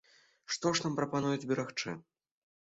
Што ж нам прапануюць берагчы?